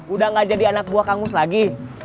udah gak jadi anak buah kangkung lagi